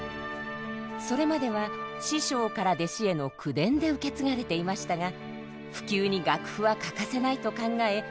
それまでは師匠から弟子への口伝で受け継がれていましたが普及に楽譜は欠かせないと考え